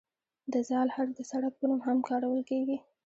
د "ذ" حرف د سړک په نوم کې هم کارول کیږي.